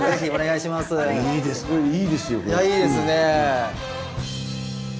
いやいいですね。